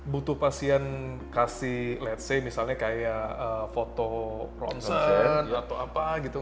butuh pasien kasih misalnya foto ronsen atau apa gitu